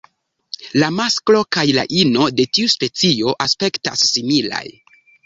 La masklo kaj la ino de tiu specio aspektis similaj.